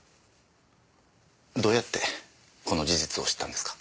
どうやってこの事実を知ったんですか？